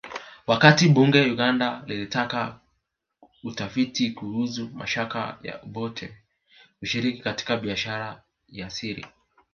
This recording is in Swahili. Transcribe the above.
Wakati bunge Uganda lilitaka utafiti kuhusu mashtaka ya Obote kushiriki katika biashara ya siri